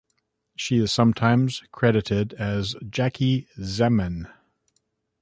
She is sometimes credited as Jackie Zeman.